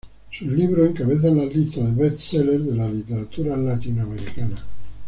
Sus libros encabezan las listas de best sellers de la literatura Latinoamericana.